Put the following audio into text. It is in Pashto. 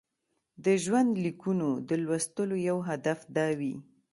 د ژوندلیکونو د لوستلو یو هدف دا وي.